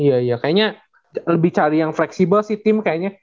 iya iya kayaknya lebih cari yang fleksibel sih tim kayaknya